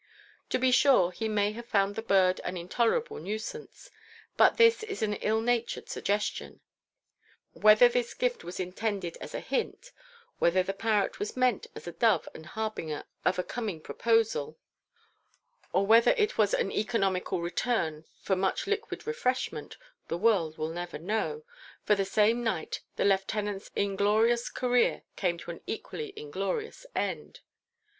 To be sure, he may have found the bird an intolerable nuisance; but this is an ill natured suggestion. Whether this gift was intended as a hint, whether the parrot was meant as a dove and harbinger of a coming proposal, or whether it was an economical return for much liquid refreshment, the world will never know, for the same night the lieutenant's inglorious career came to an equally inglorious end.